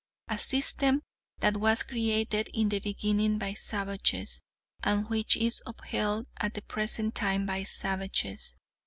A system that was created in the beginning by savages, and which is upheld at the present time by savages.